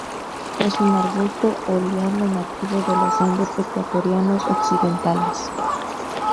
Es un arbusto o liana nativo de los Andes ecuatorianos occidentales.